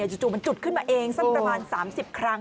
จู่มันจุดขึ้นมาเองสักประมาณ๓๐ครั้ง